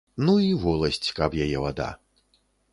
Ну і воласць, каб яе вада.